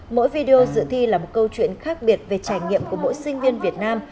mỗi video dự thi là một câu chuyện khác biệt về trải nghiệm của mỗi sinh viên việt nam